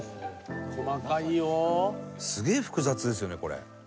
すげえ複雑ですよねこれ。